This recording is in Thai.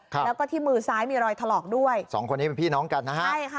ครับแล้วก็ที่มือซ้ายมีรอยถลอกด้วยสองคนนี้เป็นพี่น้องกันนะฮะใช่ค่ะ